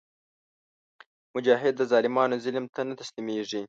مجاهد د ظالمانو ظلم ته نه تسلیمیږي.